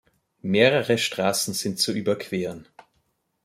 Mehrere Straßen sind zu überqueren.